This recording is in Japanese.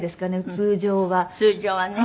通常はね。